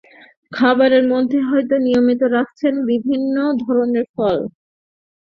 খাবারের মধ্যে হয়তো নিয়মিত রাখছেন বিভিন্ন ধরনের ফলও।